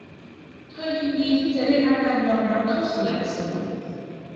เธอยินดีที่จะได้รับการยอมรับเข้าสู่หลักสูตร